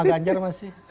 cuma ganjar masih